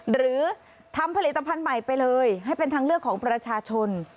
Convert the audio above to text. หรือทำผลิตภัณฑ์ใหม่ไปเลยให้เป็นทางเลือกของประชาชน